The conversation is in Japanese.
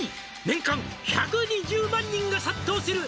「年間１２０万人が殺到する」